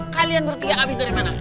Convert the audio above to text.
kalian berdua abis dari mana